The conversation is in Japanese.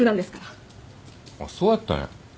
あっそうやったんや。